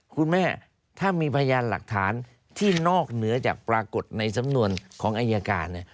คุณแม่ถ้ามีพยานหลักฐานที่นอกเหนือจากปรากฏในสำนวนของอายการ